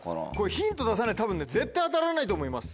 ヒント出さないとたぶんね絶対当たらないと思います。